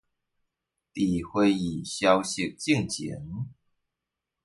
在回憶消逝之前